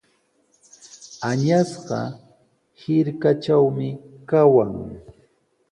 Añasqa hirkatraqmi kawan.